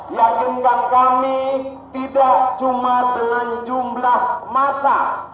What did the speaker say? yakinkan kami tidak cuma dengan jumlah masa